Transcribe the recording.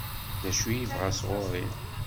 D acu i yebɣa sɣur-i?